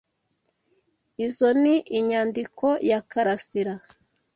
Izoi ni inyandiko ya Karasira.